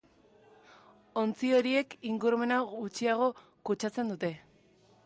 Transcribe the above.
Ontzi horiek ingurumena gutxiago kutsatzen dute.